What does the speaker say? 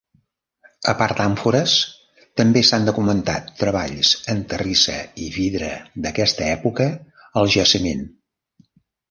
A part d'àmfores també s'han documentat treballs en terrissa i vidre d'aquesta època al jaciment.